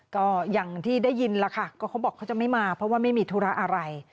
ก็อย่างที่ได้ยินล่ะค่ะก็เขาบอกเขาจะไม่มาเพราะว่าไม่มีธุระอะไร